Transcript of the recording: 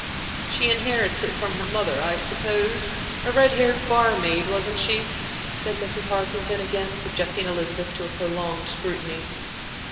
"She inherits it from her mother, I suppose a red haired bar maid, wasn't she?" said Mrs. Hartington, again subjecting Elizabeth to a prolonged scrutiny.